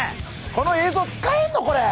この映像使えんのこれ？